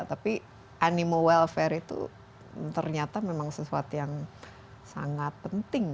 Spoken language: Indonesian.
tapi animal welfare itu ternyata memang sesuatu yang sangat penting